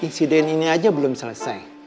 insiden ini aja belum selesai